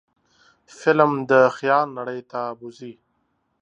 فلم د خیال نړۍ ته بوځي